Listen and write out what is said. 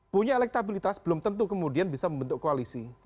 punya elektabilitas belum tentu kemudian bisa membentuk koalisi